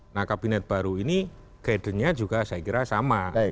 nah kabinet baru ini guidannya juga saya kira sama